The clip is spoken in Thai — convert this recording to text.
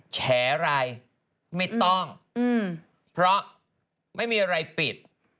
แฉอะไรไม่ต้องเพราะไม่มีอะไรปิด